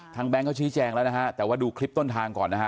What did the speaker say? แก๊งเขาชี้แจงแล้วนะฮะแต่ว่าดูคลิปต้นทางก่อนนะฮะ